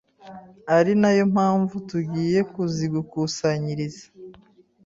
ari nayo mpamvu tugiye kuzigukusanyiriza